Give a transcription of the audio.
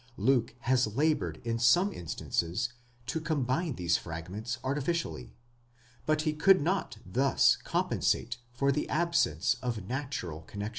Luke has laboured in some instances to combine these fragments artificially, but he could not thus compensate for the absence of natural connexion.